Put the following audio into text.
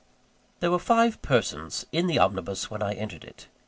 There were five persons in the omnibus when I entered it.